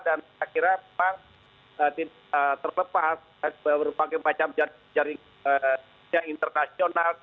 dan saya kira bang terlepas berbagai macam jaringan internasional